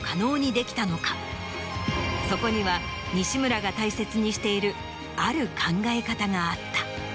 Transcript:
そこには西村が大切にしているある考え方があった。